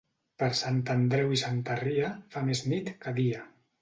Per Sant Andreu i Santa Ria, fa més nit que dia.